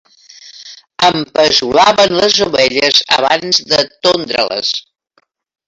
Empeçolaven les ovelles abans de tondre-les.